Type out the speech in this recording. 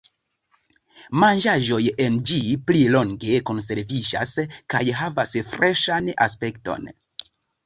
Manĝaĵoj en ĝi pli longe konserviĝas kaj havas freŝan aspekton.